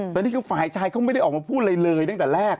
แต่นี่คือฝ่ายชายเขาไม่ได้ออกมาพูดอะไรเลยตั้งแต่แรก